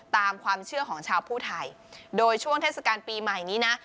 ตามความเชื่อของชาวผู้ไทยโดยช่วงเทศกาลปีใหม่นี้นะ